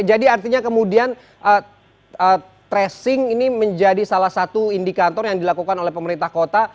jadi artinya kemudian tracing ini menjadi salah satu indikator yang dilakukan oleh pemerintah kota